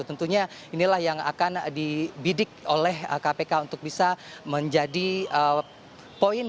jadi tentunya inilah yang akan dibidik oleh kpk untuk bisa menjadi poin